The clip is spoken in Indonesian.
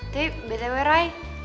tapi btw re